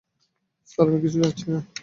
Sir, আমি কিচ্ছু জানি না।